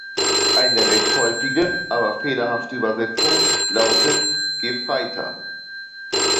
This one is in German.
Eine recht häufige, aber fehlerhafte Übersetzung lautet Gefreiter.